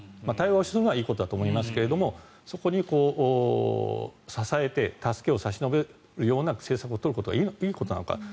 対話をするのはいいことだと思いますがそこに支えて助けを差し伸べるような政策を取ることはいいことなのか。